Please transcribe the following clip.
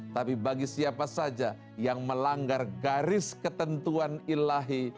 tapi bagi siapa saja yang melanggar garis ketentuan ilahi